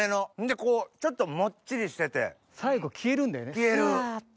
こうちょっともっちりしてて最後消えるんだよねサっと。